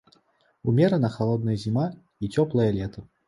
Умерана халодная зіма і цёплае лета.